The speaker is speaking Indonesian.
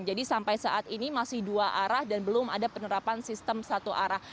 sampai saat ini masih dua arah dan belum ada penerapan sistem satu arah